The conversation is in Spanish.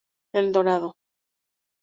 El Dorado.